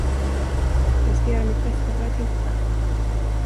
Jag ska göra mitt bästa för att hitta.